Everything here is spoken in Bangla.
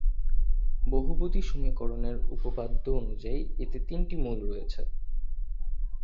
বহুপদী সমীকরণের উপপাদ্য অনুযায়ী এতে তিনটি মূল রয়েছে।